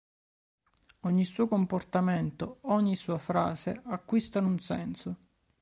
Ogni suo comportamento, ogni sua frase acquistano un senso.